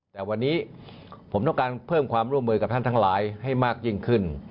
แต่วันนี้ผมต้องการเพิ่มความร่วมมือกับท่านทั้งหลายให้มากยิ่งขึ้น